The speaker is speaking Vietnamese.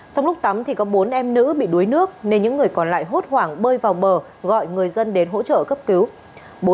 trong lúc tắm thì có bốn em nữ bị đuối nước nên những người còn lại hốt hoảng bơi vào bờ gọi người dân đến hỗ trợ cấp cứu